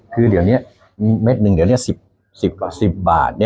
คือเดี๋ยวเนี้ยเม็ดหนึ่งนะครับ๑๐บาท